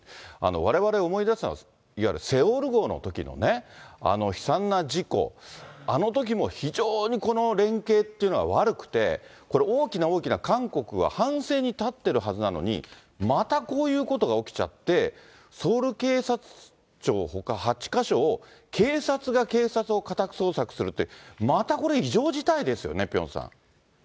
われわれ思い出すのは、いわゆるセウォル号のときのあの悲惨な事故、あのときも、非常にこの連携っていうのは悪くて、これ、大きな大きな、韓国は反省に立ってるはずなのに、またこういうことが起きちゃって、ソウル警察庁ほか８か所を警察が警察を家宅捜索するって、またこれ、異常事態ですよね、ピョンさん。